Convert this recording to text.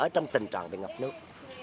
có tình trạng bị ngập nước